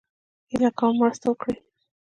هيله کوم مرسته وکړئ